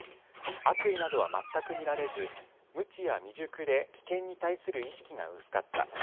悪意などは全く見られず無知や未熟で危険に対する意識が薄かった。